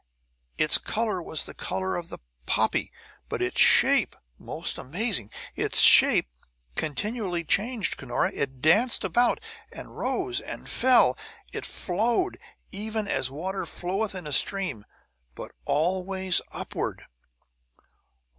Its color was the color of the poppy, but its shape most amazing! Its shape continually changed, Cunora; it danced about, and rose and fell; it flowed, even as water floweth in a stream, but always upward!"